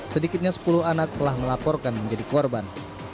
sedikitnya sepuluh anak telah melaporkan menjadi korban